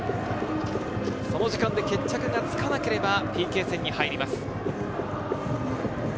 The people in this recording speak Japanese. その時間で決着がつかなければＰＫ戦に入ります。